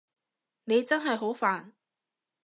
你真係好煩